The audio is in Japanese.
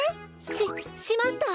ししました。